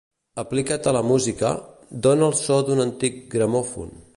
Aplicat a la música, dóna el so d'un antic gramòfon.